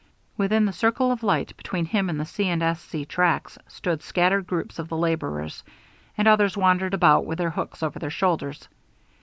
Within the circle of light between him and the C. & S. C. tracks stood scattered groups of the laborers, and others wandered about with their hooks over their shoulders.